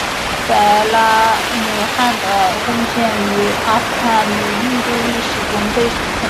白拉姆汗的贡献于阿富汗和印度历史中备受肯定。